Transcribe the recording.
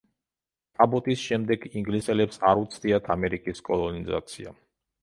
კაბოტის შემდეგ ინგლისელებს არ უცდიათ ამერიკის კოლონიზაცია.